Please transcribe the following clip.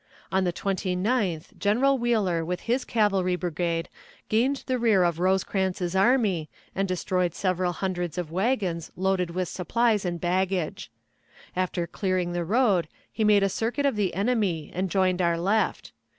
On the 29th General Wheeler with his cavalry brigade gained the rear of Rosecrans's army, and destroyed several hundreds of wagons loaded with supplies and baggage. After clearing the road, he made the circuit of the enemy and joined our left.